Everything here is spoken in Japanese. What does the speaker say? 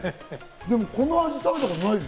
でもこの味、食べたことない。